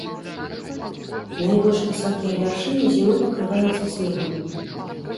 Найбольш высокія вяршыні зімой пакрываюцца снегам.